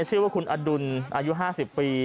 ชื่อว่าคุณอดุลอายุ๕๐ปี